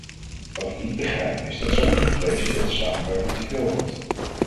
Wat ik niet begrijp, is dat sommigen vrezen dat de samenwerking teveel wordt.